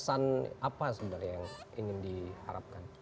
kesan apa sebenarnya yang ingin diharapkan